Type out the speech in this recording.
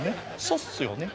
そっすよね